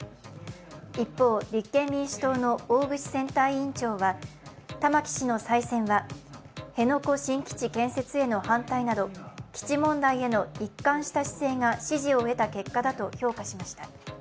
一方、立憲民主党の大串選対委員長は玉城氏の再選は、辺野古新基地建設への反対など、基地問題への一貫した姿勢が支持を得た結果だと評価しました。